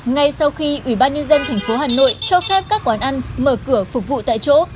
ngay sau khi ủy ban nhân dân tp hà nội cho phép các quán ăn mở cửa phục vụ tại chỗ